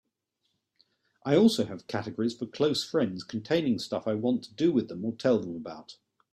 I also have categories for close friends containing stuff I want to do with them or tell them about.